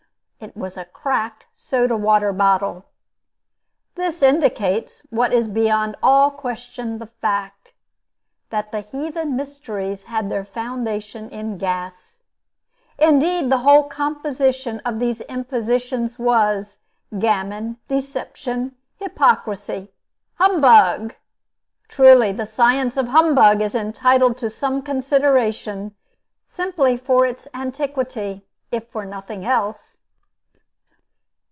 It was a cracked soda water bottle! This indicates what is beyond all question the fact that the heathen mysteries had their foundation in gas. Indeed, the whole composition of these impositions was, gammon, deception, hypocrisy Humbug! Truly, the science of Humbug is entitled to some consideration, simply for its antiquity, if for nothing else.